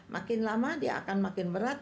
makin lama dia akan makin berat